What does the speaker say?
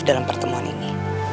dalam pertemuan ini